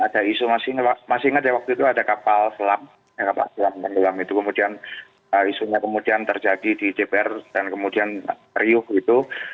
ada isu masih ingat ya waktu itu ada kapal selam tenggelam itu kemudian isunya kemudian terjadi di dpr dan kemudian riuh gitu